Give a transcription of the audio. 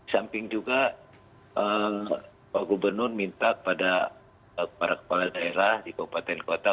samping juga pak gubernur minta kepada para kepala daerah di kabupaten kota